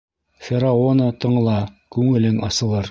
Фераоны тыңла, күңелең асылыр.